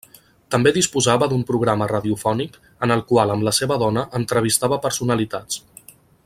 També disposava d'un programa radiofònic en el qual amb la seva dona entrevistava personalitats.